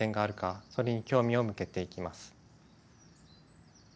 それに興味を向けていきます。